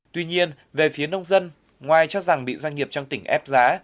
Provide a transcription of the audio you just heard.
tuy nhiên về phía nông dân ngoài cho rằng bị doanh nghiệp trong tỉnh ép giá